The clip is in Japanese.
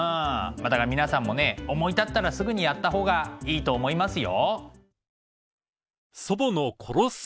まあだから皆さんもね思い立ったらすぐにやった方がいいと思いますよ。